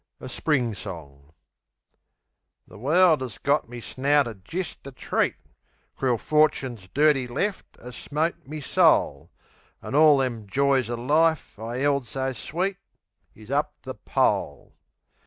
A Spring Song The world 'as got me snouted jist a treat; Crool Forchin's dirty left 'as smote me soul; An' all them joys o' life I 'eld so sweet Is up the pole.